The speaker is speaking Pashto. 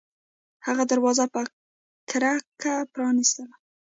هغه دروازه په کرکه پرانیستله